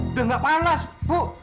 udah nggak panas bu